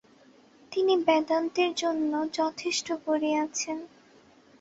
তিনি বেদান্তের জন্য যথেষ্ট করিয়াছেন।